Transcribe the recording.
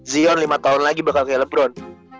zion lima tahun lagi bakal kayak lebron